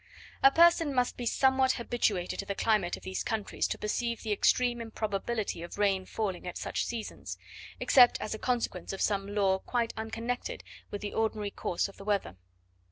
A person must be somewhat habituated to the climate of these countries to perceive the extreme improbability of rain falling at such seasons, except as a consequence of some law quite unconnected with the ordinary course of the weather.